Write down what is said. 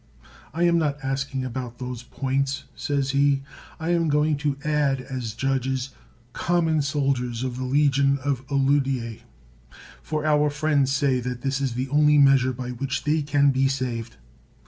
I am not asking about those points, says he ; I am going to add as judges, common soldiers of the legion of Alaudce, for our friends say, that that is the only measure by which they can be saved.